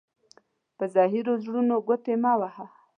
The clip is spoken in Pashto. په زهيرو زړونو گوتي مه وهه.